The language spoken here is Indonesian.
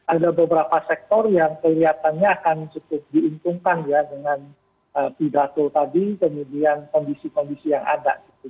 ada beberapa sektor yang kelihatannya akan cukup diuntungkan ya dengan pidato tadi kemudian kondisi kondisi yang ada